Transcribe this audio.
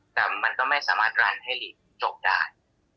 แต่มันก็ไม่สามารถรันให้หลีกจบได้